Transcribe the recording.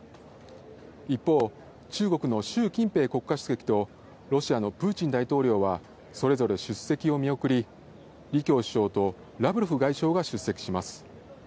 一方、中国のシュウ・キンペイ国家主席とロシアのプーチン大統領はそれぞれ出席を見送り、リ・キョウ首相とラブロフ外相が出席します。